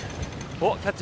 おっキャッチした。